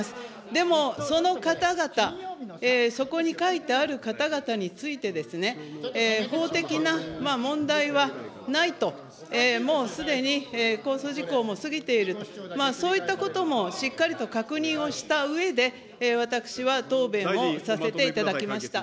でもその方々、そこに書いてある方々についてですね、法的な問題はないと、もうすでに公訴時効も過ぎていると、そういったこともしっかりと確認をしたうえで、私は答弁をさせていただきました。